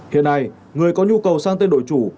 hiện nay người có nhu cầu sang tên đội chủ